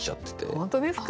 本当ですか？